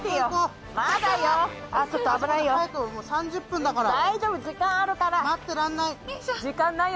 ３０分だから。